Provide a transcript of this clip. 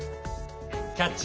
「キャッチ！